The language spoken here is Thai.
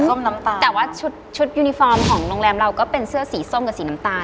น้ำตาลแต่ว่าชุดชุดยูนิฟอร์มของโรงแรมเราก็เป็นเสื้อสีส้มกับสีน้ำตาล